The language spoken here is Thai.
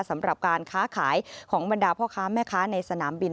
สำหรับการค้าขายของบรรดาพ่อค้าแม่ค้าในสนามบิน